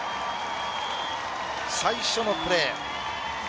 最初のプレー。